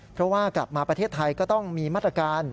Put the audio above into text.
เพราะว่ากลับมาประเทศไทยก็ต้องมีมาตรการ